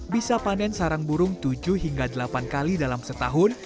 bisa panen sarang burung tujuh hingga delapan kali dalam setahun